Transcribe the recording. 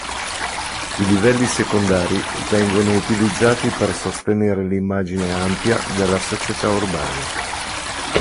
I livellii secondari vengono utilizzati per sostenere l'immagine ampia della società urbana.